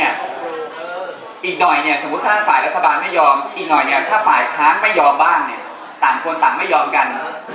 อีกหน่อยเนี่ยสมมุติถ้าฝ่ายรัฐบาลไม่ยอมอีกหน่อยเนี่ยถ้าฝ่ายค้านไม่ยอมบ้างเนี่ยต่างคนต่างไม่ยอมกัน